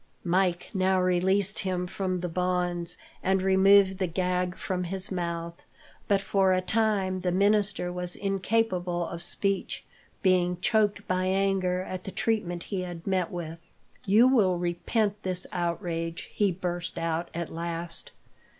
Mike now released him from the bonds, and removed the gag from his mouth, but for a time the minister was incapable of speech, being choked by anger at the treatment he had met with. "You will repent this outrage," he burst out, at last.